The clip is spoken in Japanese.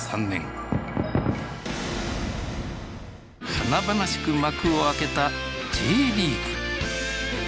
華々しく幕を開けたＪリーグ。